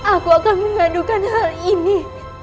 aku akan mengadukan hal ini